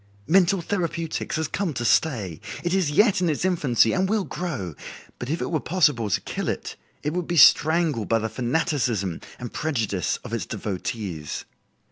Mental therapeutics has come to stay. It is yet in its infancy and will grow, but, if it were possible to kill it, it would be strangled by the fanaticism and prejudice of its devotees.